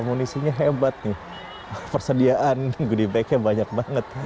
amunisinya hebat nih persediaan goodie bag nya banyak banget ya